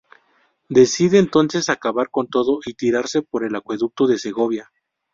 Decide entonces acabar con todo y tirarse por el acueducto de Segovia.